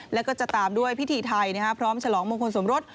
แล้วก็จะตามด้วยพิธีไทยพร้อมฉลองมงคลสมรส